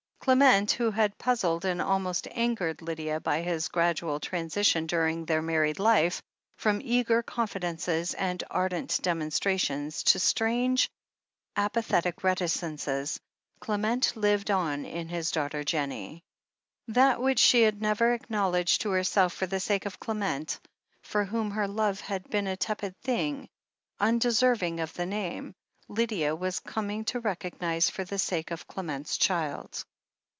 Clement, who had puzzled and almost angered Lydia by his gradual transition during their married life, from eager confidences and ardent demonstrations to strange, apathetic reticences — Clement lived on in his daughter Jennie. That which she had never acknowledged to herself for the sake of Clement, for whom her love had been a tepid thing, undeserving of the name, Lydia was com ing to recognize for the sake of Clement's child.